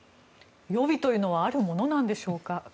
予備というのはあるものなんでしょうか？